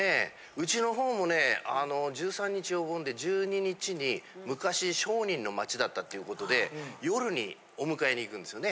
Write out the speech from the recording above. うちのほうもね１３日お盆で１２日に昔商人の町だったっていうことで夜にお迎えに行くんですよね。